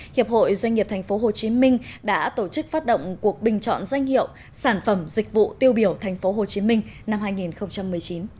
hiệp hội doanh nghiệp tp hcm đã tổ chức phát động cuộc bình chọn danh hiệu sản phẩm dịch vụ tiêu biểu tp hcm năm hai nghìn một mươi chín